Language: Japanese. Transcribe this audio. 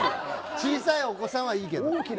小さいお子さんはいいけど。